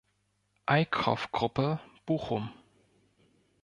Eickhoff-Gruppe, Bochum.